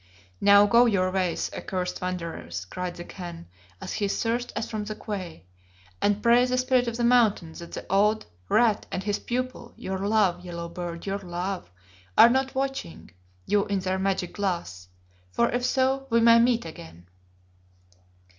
"Now go your ways, accursed wanderers," cried the Khan as he thrust us from the quay, "and pray the Spirit of the Mountain that the old Rat and his pupil your love, Yellow beard, your love are not watching you in their magic glass. For if so we may meet again."